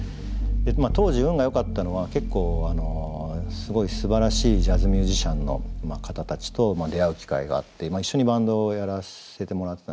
当時運がよかったのは結構すごいすばらしいジャズミュージシャンの方たちと出会う機会があって一緒にバンドをやらせてもらってたんですね。